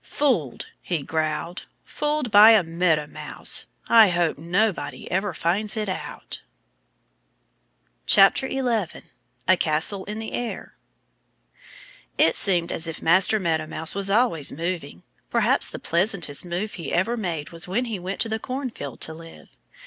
"Fooled!" he growled. "Fooled by a Meadow Mouse! I hope nobody ever finds it out." 11 A Castle in the Air IT seemed as if Master Meadow Mouse was always moving. Perhaps the pleasantest move he ever made was when he went to the cornfield to live.